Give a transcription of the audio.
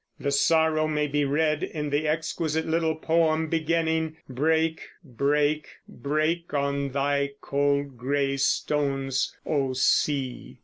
The sorrow may be read in the exquisite little poem beginning, "Break, break, break, On thy cold gray stones, O Sea!"